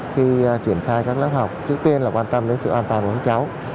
khi triển khai các lớp học trước tiên là quan tâm đến sự an toàn của các cháu